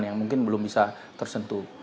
yang mungkin belum bisa tersentuh